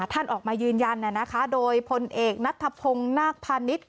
ท่านออกมายืนยันน่ะนะคะโดยผลเอกนัดทพงษ์นาคภาณิชย์